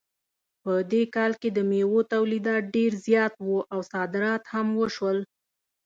په دې کال کې د میوو تولید ډېر زیات و او صادرات هم وشول